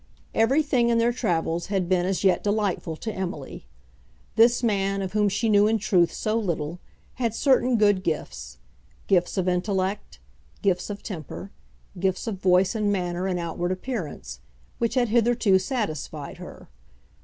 Everything in their travels had been as yet delightful to Emily. This man, of whom she knew in truth so little, had certain good gifts, gifts of intellect, gifts of temper, gifts of voice and manner and outward appearance, which had hitherto satisfied her.